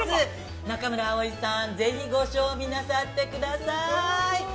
中村蒼さん、ぜひご賞味なさってください。